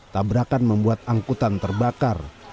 tabrakan membuat angkutan terbakar